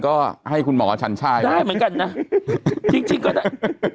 ก็ให้คุณหมอชันช่ายเลยได้เหมือนกันนะ